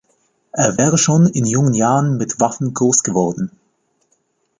Er wäre schon in jungen Jahren mit Waffen groß geworden.